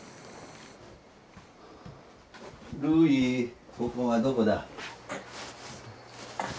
琉偉ここはどこだ？